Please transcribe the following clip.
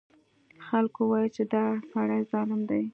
خلکو وویل چې دا سړی ظالم دی.